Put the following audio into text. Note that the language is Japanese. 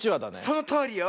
そのとおりよ。